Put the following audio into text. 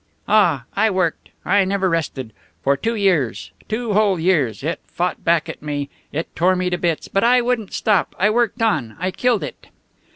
Ah, I worked! I never rested. For two years. Two whole years. It fought back at me. It tore me to bits. But I wouldn't stop. I worked on, I killed it."